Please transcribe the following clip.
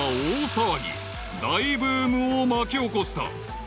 ［大ブームを巻き起こした］